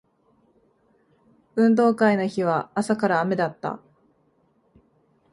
運動会の日は朝から雨だった